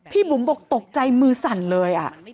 บุ๋มบอกตกใจมือสั่นเลย